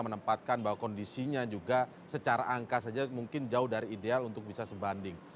menempatkan bahwa kondisinya juga secara angka saja mungkin jauh dari ideal untuk bisa sebanding